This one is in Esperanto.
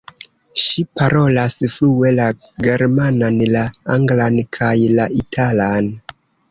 Ŝi parolas flue la germanan, la anglan kaj la italan.